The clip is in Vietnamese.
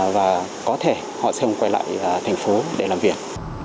và có thể họ sẽ quay lại thành phố để làm việc